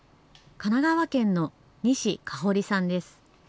神奈川県の西かほりさんです。